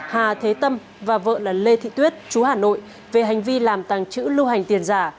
hà thế tâm và vợ là lê thị tuyết chú hà nội về hành vi làm tàng trữ lưu hành tiền giả